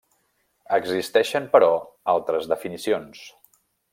Existeixen, però, altres definicions.